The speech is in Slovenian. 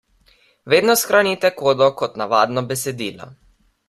Vedno shranite kodo kot navadno besedilo.